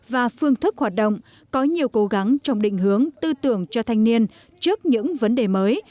và phương thức hoạt động có nhiều cố gắng trong định hướng tư tưởng cho thanh niên trước những vấn đề mới